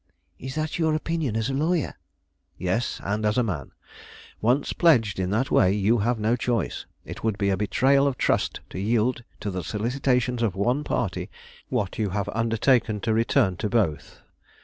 "Is that your opinion as a lawyer?" "Yes, and as a man. Once pledged in that way, you have no choice. It would be a betrayal of trust to yield to the solicitations of one party what you have undertaken to return to both.